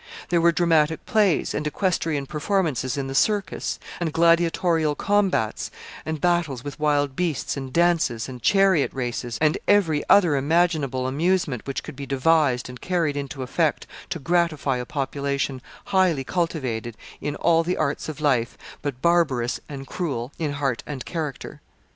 There were dramatic plays, and equestrian performances in the circus, and gladiatorial combats, and battles with wild beasts, and dances, and chariot races, and every other imaginable amusement which could be devised and carried into effect to gratify a population highly cultivated in all the arts of life, but barbarous and cruel in heart and character.